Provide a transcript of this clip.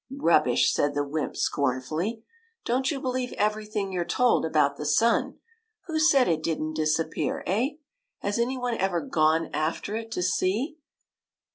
" Rubbish !" said the wymp, scornfully. " Don't you believe everything you 're told about the sun ! Who said it did n't disap pear, eh? Has any one ever gone after it to see?